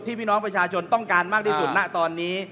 พี่น้องประชาชนต้องการมากที่สุดณตอนนี้